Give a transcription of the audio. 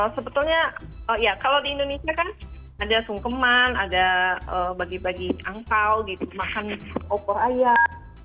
sebetulnya ya kalau di indonesia kan ada sungkeman ada bagi bagi angpao gitu makan opor ayam